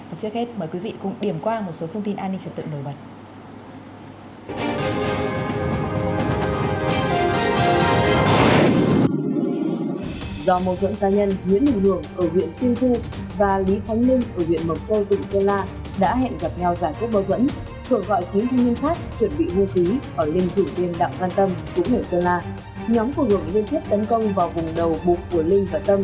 và trước hết mời quý vị cũng điểm qua một số thông tin an ninh trật tự nổi bật